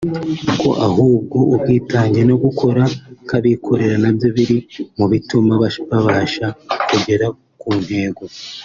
ko ahubwo ubwitange no gukora nk’abikorera nabyo biri mu bituma babasha kugera ku ntego